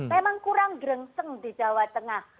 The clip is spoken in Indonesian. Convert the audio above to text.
memang kurang grengseng di jawa tengah